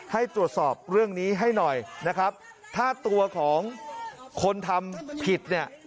ให้ตรวจสอบเรื่องนี้ให้หน่อยนะครับถ้าตัวของคนทำผิดเนี่ย